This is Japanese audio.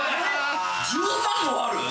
１３もある！？